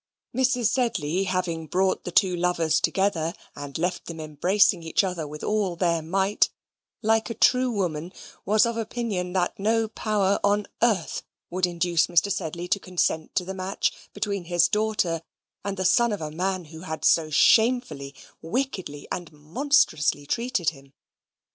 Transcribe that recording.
Mrs. Sedley having brought the two lovers together and left them embracing each other with all their might, like a true woman, was of opinion that no power on earth would induce Mr. Sedley to consent to the match between his daughter and the son of a man who had so shamefully, wickedly, and monstrously treated him.